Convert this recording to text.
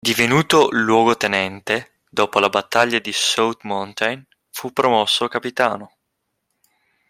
Divenuto luogotenente, dopo la battaglia di South Mountain fu promosso capitano.